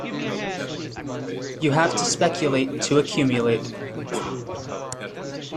You have to speculate, to accumulate.